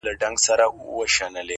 هلته د ژوند تر آخري سرحده.